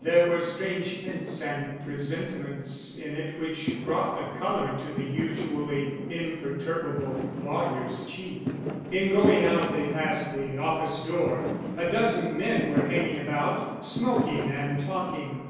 There were strange hints and presentiments in it which brought the color to the usually imperturbable lawyer's cheek. In going out they passed the office door. A dozen men were hanging about, smoking and talking.